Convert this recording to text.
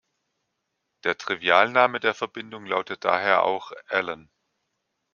Der Trivialname der Verbindung lautet daher auch "„Allen“".